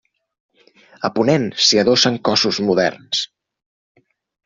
A ponent s'hi adossen cossos moderns.